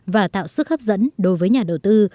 và tạo sức hấp dẫn đối với nhà đầu tư